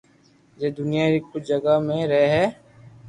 جي دنيا ري ڪجھ جگہ مي رھي ھي